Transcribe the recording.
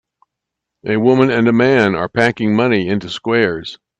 A woman and man are packing money into squares.